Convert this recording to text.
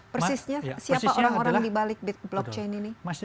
persisnya siapa orang orang yang dibalik blockchain ini